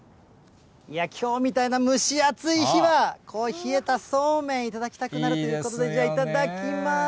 きょうみたいな蒸し暑い日は、こう冷えたそうめん、頂きたくなるということで、じゃあ、いただきます。